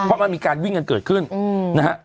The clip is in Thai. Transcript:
เพราะมันมีการวิ่งกันเกิดขึ้นนะฮะ